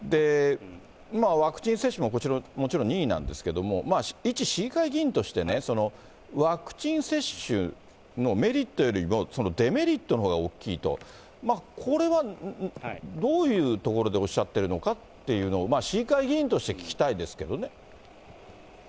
ワクチン接種ももちろん任意なんですけれども、一市議会議員として、ワクチン接種のメリットよりも、デメリットのほうが大きいと、これはどういうところでおっしゃってるのかっていうのを市議会議員として聞きたいですけどね。